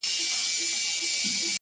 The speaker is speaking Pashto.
خداى نه چي زه خواست كوم نو دغـــه وي’